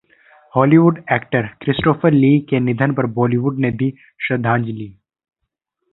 Hollywood actor Christopher Lee के निधन पर बॉलीवुड ने दी श्रद्धांजलि